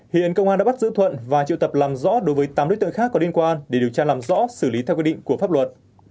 hiện công an đã bắt giữ thuận và triệu tập làm rõ đối với tám đối tượng khác có liên quan để điều tra làm rõ xử lý theo quy định của pháp luật